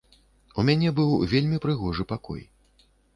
У мяне быў вельмі прыгожы пакой.